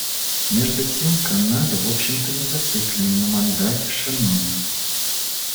Между тем Канада, в общем-то, не зациклена на мандате Шеннона.